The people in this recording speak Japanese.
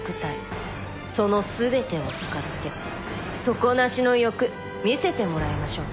その全てを使って底なしの欲見せてもらいましょう。